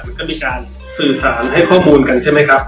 มันก็มีการสื่อสารให้ข้อมูลกันใช่ไหมครับ